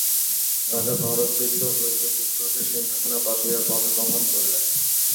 রাজা ভরত বৃদ্ধ হইলে পুত্রকে সিংহাসনে বসাইয়া বনে গমন করিলেন।